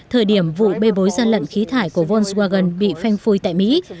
thời điểm vụ bề bối giàn lận khí thải của volkswagen bị phanh phui tại mỹ